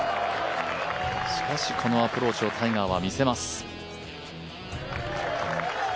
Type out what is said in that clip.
しかしこのアプローチをタイガーは見せます。